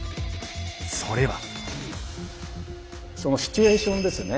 それは。